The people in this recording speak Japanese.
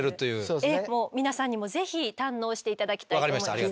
ええもう皆さんにもぜひ堪能して頂きたいと思います。